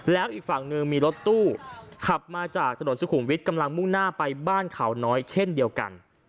แล้วอีกฝั่งหนึ่งมีรถตู้ขับมาจากถนนสุขุมวิทย์กำลังมุ่งหน้าไปบ้านเขาน้อยเช่นเดียวกัน